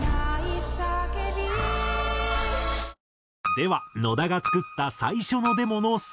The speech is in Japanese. では野田が作った最初のデモのサビは？